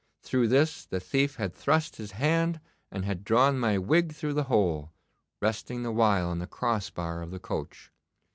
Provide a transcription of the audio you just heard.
Through this the thief had thrust his hand and had drawn my wig through the hole, resting the while on the crossbar of the coach.